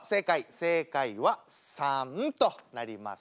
正解は３となります。